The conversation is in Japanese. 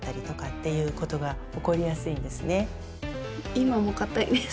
今もかたいです。